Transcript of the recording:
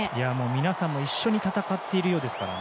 皆さんも一緒に戦っているようですからね。